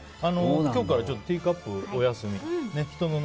今日から、ちょっとティーカップはお休みと。